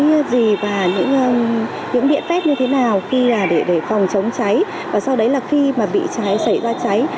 và sau đấy là khi mà bị cháy xảy ra cháy thì mình đã có những cái biện phép như thế nào khi là để phòng chống cháy và sau đấy là khi mà bị cháy xảy ra cháy